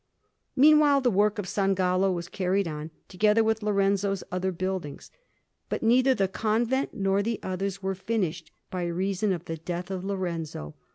Meanwhile the work of S. Gallo was carried on, together with Lorenzo's other buildings; but neither the convent nor the others were finished, by reason of the death of Lorenzo.